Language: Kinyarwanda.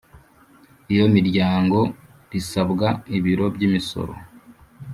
iyo miryango risabwa ibiro by'imisoro